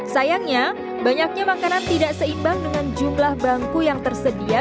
sayangnya banyaknya makanan tidak seimbang dengan jumlah bangku yang tersedia